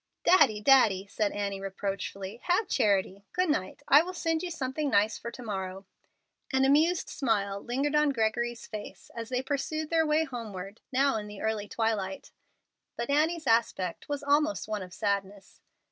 "Daddy, Daddy," said Annie, reproachfully, "have charity. Good night; I will send you something nice for to morrow." An amused smile lingered on Gregory's face as they pursued their way homeward, now in the early twilight; but Annie's aspect was almost one of sadness.